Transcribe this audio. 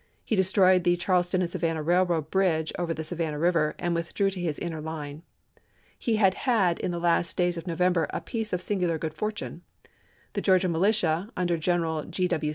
He destroyed the Charles ton and Savannah Railroad bridge over the Savan nah River and withdrew to his inner line. He had had in the last days of November a piece of singu lar good fortune. The Georgia militia under Gen eral G. W.